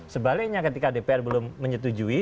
sebaliknya ketika dpr belum menyetujui